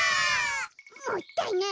もったいない。